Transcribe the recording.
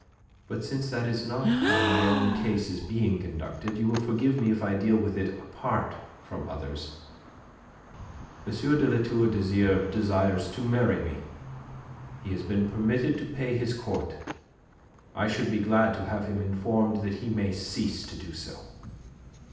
But since that is not how my own case is being conducted, you will forgive me if I deal with it apart from others. M. de La Tour d'Azyr desires to marry me. He has been permitted to pay his court. I should be glad to have him informed that he may cease to do so."